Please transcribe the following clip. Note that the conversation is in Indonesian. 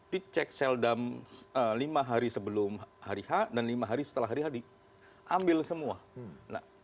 di cek sel dump lima hari sebelum hari h dan lima hari setelah hari h diambil semua